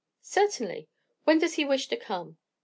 "Certainly. When does he wish to come?"